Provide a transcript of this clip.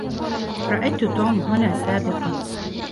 رأيت توم هنا سابقا.